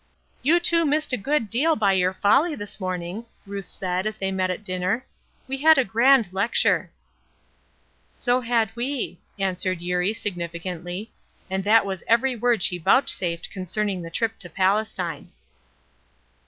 "You two missed a good deal by your folly this morning," Ruth said, as they met at dinner. "We had a grand lecture." "So had we," answered Eurie, significantly, and that was every word she vouchsafed concerning the trip to Palestine.